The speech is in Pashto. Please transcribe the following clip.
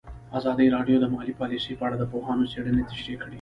ازادي راډیو د مالي پالیسي په اړه د پوهانو څېړنې تشریح کړې.